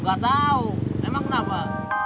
gak tau emang kenapa